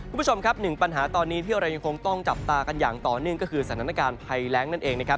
คุณผู้ชมครับหนึ่งปัญหาตอนนี้ที่เรายังคงต้องจับตากันอย่างต่อเนื่องก็คือสถานการณ์ภัยแรงนั่นเองนะครับ